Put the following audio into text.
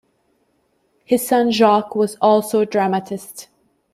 His son, Jacques was also a dramatist.